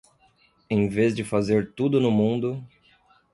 Em vez de fazer tudo no mundo